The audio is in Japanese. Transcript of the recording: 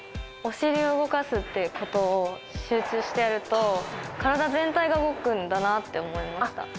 お尻を動かすっていうことを集中してやると体全体が動くんだなって思いました。